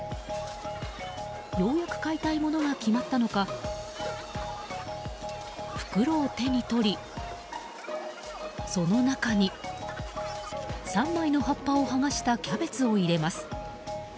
ようやく買いたいものが決まったのか袋を手に取り、その中に３枚の葉っぱを剥がしたキャベツを入れます。